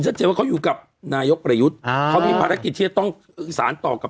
ชัดเจนว่าเขาอยู่กับนายกประยุทธ์อ่าเขามีภารกิจที่จะต้องสารต่อกับ